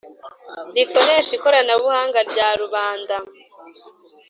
rikoresha ikoranabuhanga rya rubanda